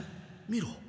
見ろ。